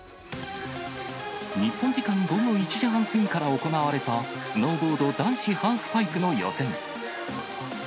日本時間午後１時半過ぎから行われたスノーボード男子ハーフパイプの予選。